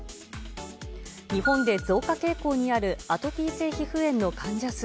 日本で増加傾向にあるアトピー性皮膚炎の患者数。